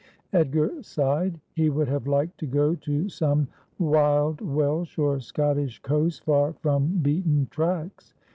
Edgar sighed. He would have liked to go to some wild Welsh or Scottish coast, far from beaten tracks.